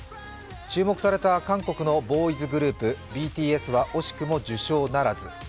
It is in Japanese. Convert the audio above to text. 注目された韓国のボーイズグループ、ＢＴＳは惜しくも受賞ならず。